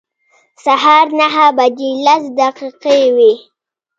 سهار نهه بجې لس دقیقې وې.